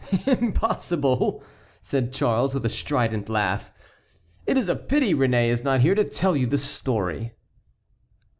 "Impossible?" said Charles, with a strident laugh, "it is a pity Réné is not here to tell you the story."